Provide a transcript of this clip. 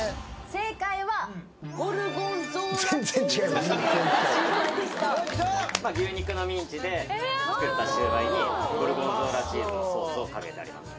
正解は牛肉のミンチで作ったシューマイにゴルゴンゾーラチーズのソースをかけてあります